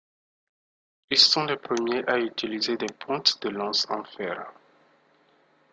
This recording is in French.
Ils sont les premiers à utiliser des pointes de lance en fer.